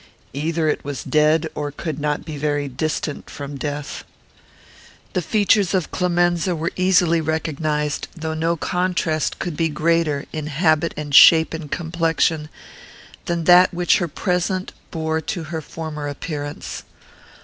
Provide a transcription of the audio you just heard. Either it was dead, or could not be very distant from death. The features of Clemenza were easily recognised, though no contrast could be greater, in habit and shape and complexion, than that which her present bore to her former appearance.